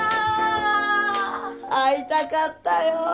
会いたかったよ